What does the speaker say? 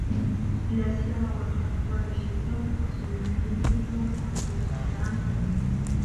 لَا سِيَّمَا وَالْخَائِفُ عَلَى الشَّيْءِ مُخْتَصُّ الْهَمِّ بِهِ مُنْصَرِفُ الْفِكْرِ عَنْ غَيْرِهِ